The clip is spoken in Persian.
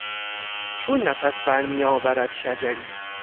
چون نفس بر میآورد شجری؟